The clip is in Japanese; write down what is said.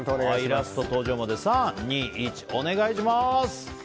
イラスト登場まで３、２、１お願いします！